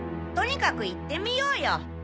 とにかく行ってみようよ！